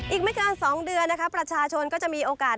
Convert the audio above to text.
อีกไม่เกิน๒เดือนนะคะประชาชนก็จะมีโอกาส